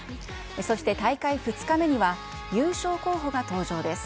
そして大会２日目には、優勝候補が登場です。